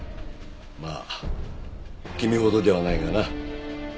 まあ君ほどではないがな。